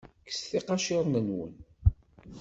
Kkset iqaciren-nwen.